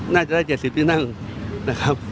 น่าจะได้๗๐ที่นั่งนะครับ